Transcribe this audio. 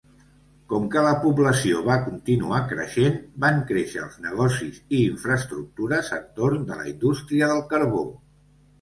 Com que la població va continuar creixent, van créixer els negocis i infraestructures entorn de la indústria del carbó.